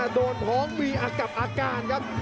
โดนพ้องมีอากับอาการครับ